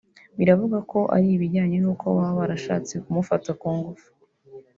biravugwa ko ari ijyanye n’uko baba barashatse kumufata ku ngufu